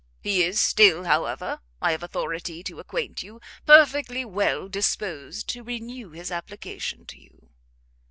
He is still, however, I have authority to acquaint you, perfectly well disposed to renew his application to you."